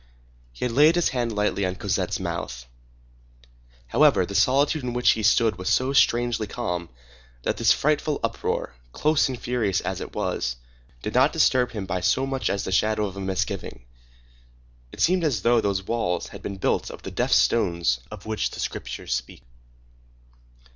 He had laid his hand lightly on Cosette's mouth. However, the solitude in which he stood was so strangely calm, that this frightful uproar, close and furious as it was, did not disturb him by so much as the shadow of a misgiving. It seemed as though those walls had been built of the deaf stones of which the Scriptures speak.